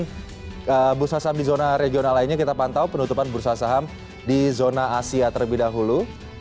di bursa saham di zona regional lainnya kita pantau penutupan bursa saham di zona asia terlebih dahulu